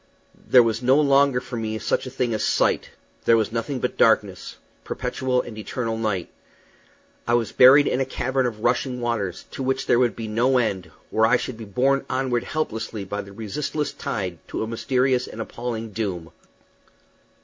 There was no longer for me such a thing as sight; there was nothing but darkness perpetual and eternal night. I was buried in a cavern of rushing waters, to which there would be no end, where I should be borne onward helplessly by the resistless tide to a mysterious and an appalling doom.